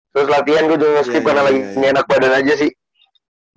terus latihan gue juga ngeskip karena lagi nyenak badan aja sih